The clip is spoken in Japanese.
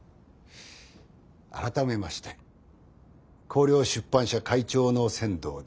改めまして光陵出版社会長の千堂です。